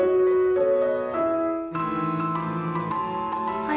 はい。